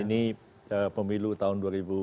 ini pemilu tahun dua ribu sembilan belas